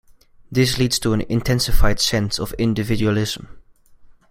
This leads to an intensified sense of individualism.